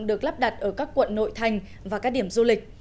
được lắp đặt ở các quận nội thành và các điểm du lịch